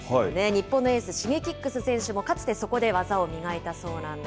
日本のエース、Ｓｈｉｇｅｋｉｘ選手もかつてそこで技を磨いたそうなんです。